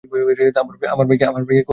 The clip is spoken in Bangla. আমার ভাইকে কল দিছিলি?